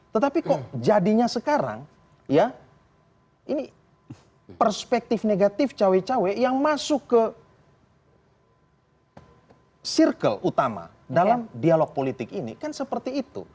tetapi kok jadinya sekarang ya ini perspektif negatif cawe cawe yang masuk ke circle utama dalam dialog politik ini kan seperti itu